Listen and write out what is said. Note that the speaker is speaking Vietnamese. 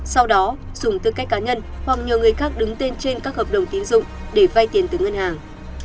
sau đó dùng tư cách cá nhân hoặc nhờ người khác đứng tên trên các hợp đồng tiến dụng để vay tiền từ ngân hàng